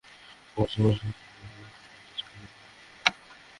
Mymensingh medical college হাসপাতালের কর্তব্যরত চিকিৎসকের পরামর্শে রাতেই ঢাকায় নেওয়া হয়।